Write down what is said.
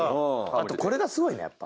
あとこれがすごいなやっぱ。